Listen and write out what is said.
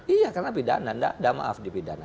iya karena pidana tidak ada maaf di pidana